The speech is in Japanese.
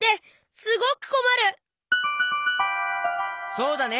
そうだね！